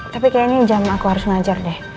tapi kayaknya jam aku harus ngajar deh